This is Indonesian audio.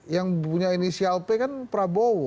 yang punya inisial p kan prabowo